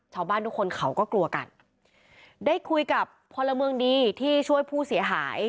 ชาวบ้านทุกคนเขาก็กลัวกันได้คุยกับพลเมืองดีที่ช่วยผู้เสียหาย